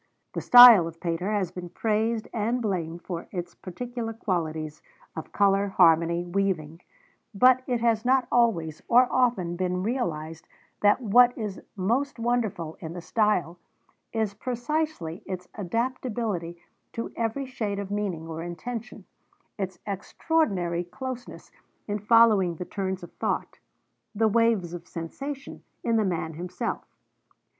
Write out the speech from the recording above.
The style of Pater has been praised and blamed for its particular qualities of colour, harmony, weaving; but it has not always, or often, been realised that what is most wonderful in the style is precisely its adaptability to every shade of meaning or intention, its extraordinary closeness in following the turns of thought, the waves of sensation, in the man himself.